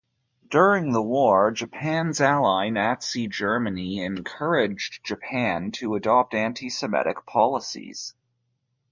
During the war, Japan's ally Nazi Germany encouraged Japan to adopt antisemitic policies.